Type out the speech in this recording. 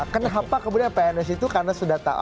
kenapa kemudian pns itu karena sudah tahu